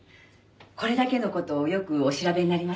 これだけの事をよくお調べになりましたね。